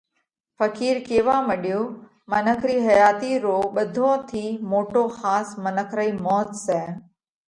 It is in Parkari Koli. ڦقِير ڪيوا مڏيو: منک رِي حياتِي رو ٻڌون ٿِي موٽو ۿاس منک رئِي موت سئہ۔